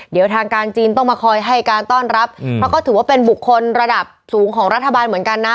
เดี๋ยวทางการจีนต้องมาคอยให้การต้อนรับเพราะก็ถือว่าเป็นบุคคลระดับสูงของรัฐบาลเหมือนกันนะ